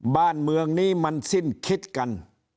บ้านเมืองนี้มันสิ้นคิดกัน